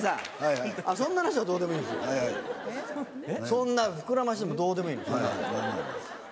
そんな膨らましどうでもいいの。